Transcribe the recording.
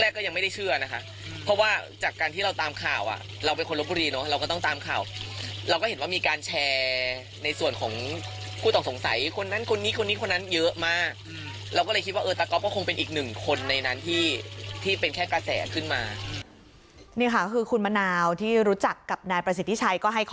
แรกก็ยังไม่ได้เชื่อนะคะเพราะว่าจากการที่เราตามข่าวอ่ะเราเป็นคนลบบุรีเนอะเราก็ต้องตามข่าวเราก็เห็นว่ามีการแชร์ในส่วนของผู้ต้องสงสัยคนนั้นคนนี้คนนี้คนนั้นเยอะมากเราก็เลยคิดว่าเออตาก๊อฟก็คงเป็นอีกหนึ่งคนในนั้นที่ที่เป็นแค่กระแสขึ้นมานี่ค่ะคือคุณมะนาวที่รู้จักกับนายประสิทธิชัยก็ให้ค